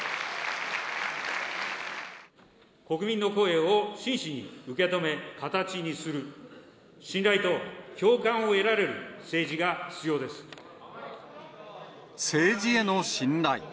国民の声を真摯に受け止め、形にする、信頼と共感を得られる政治への信頼。